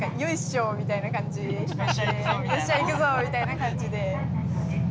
よっしゃ行くぞーみたいな感じで。